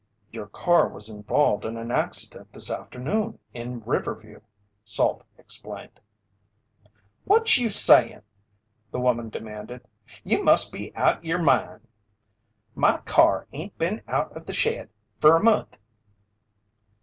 "Your car was involved in an accident this afternoon in Riverview," Salt explained. "What you sayin'?" the woman demanded. "You must be out o' yer mind! My car ain't been out of the shed fer a month."